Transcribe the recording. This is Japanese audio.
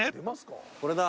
これだ。